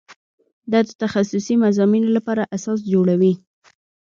دا د تخصصي مضامینو لپاره اساس جوړوي.